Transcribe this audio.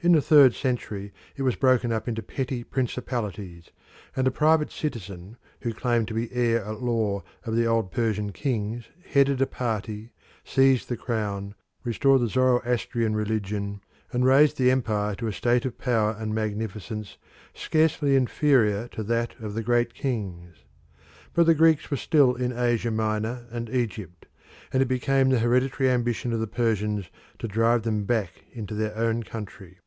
In the third century it was broken up into petty principalities, and a private citizen who claimed to be heir at law of the old Persian kings headed a party, seized the crown, restored the Zoroastrian religion, and raised the empire to a state of power and magnificence scarcely inferior to that of the Great Kings. But the Greeks were still in Asia Minor and Egypt, and it became the hereditary ambition of the Persians to drive them back into their own country.